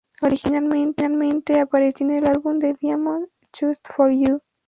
Originalmente apareció en el álbum de Diamond "Just For You".